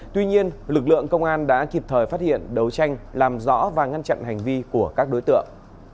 tuy nhiên lực lượng công an đã kịp thời phát hiện đấu tranh làm rõ và ngăn chặn hành vi của các đối tượng